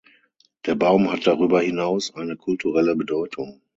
Der Baum hat darüber hinaus eine kulturelle Bedeutung.